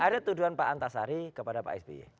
ada tuduhan pak antasari kepada pak sby